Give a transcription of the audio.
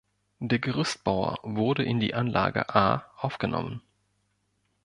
Der Gerüstbauer wurde in die "Anlage A" aufgenommen.